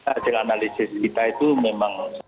usaha yang analisis kita itu memang